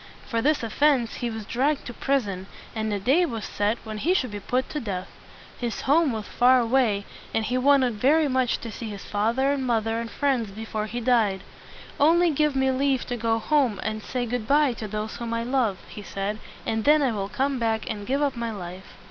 For this offense he was dragged to prison, and a day was set when he should be put to death. His home was far away, and he wanted very much to see his father and mother and friends before he died. "Only give me leave to go home and say good by to those whom I love," he said, "and then I will come back and give up my life."